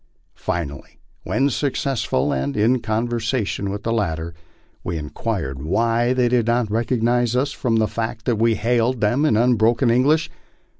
Finally, when successful, and in conversation with the latter, we inquired why they did not recognize us from the fact that we hailed them in unbroken English.